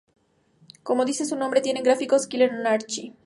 Como dice su nombre, tienen gráficos Killer Anarchy.